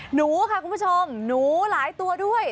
หนูค่ะคุณผู้ชมหนูหลายตัวด้วย